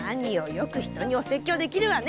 よく人にお説教できるわね！